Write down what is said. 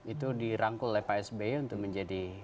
itu dirangkul oleh pak sby untuk menjadi